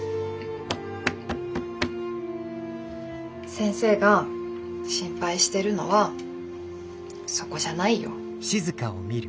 先生が心配してるのはそこじゃないよ。